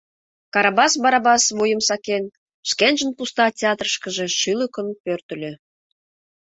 Карабас Барабас, вуйым сакен, шкенжын пуста театрышкыже шӱлыкын пӧртыльӧ.